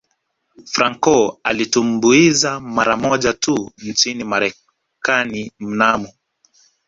Franco alitumbuiza mara moja tu nchini Marekani mnamo